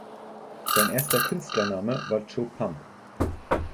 Sein erster Künstlername war Jo Pump.